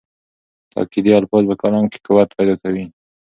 تاکېدي الفاظ په کلام کې قوت پیدا کوي.